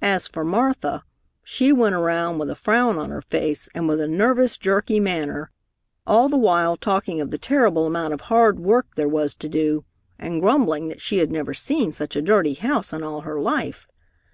As for Martha, she went around with a frown on her face, and with a nervous, jerky manner, all the while talking of the terrible amount of hard work there was to do, and grumbling that she had never seen such a dirty house in all her life.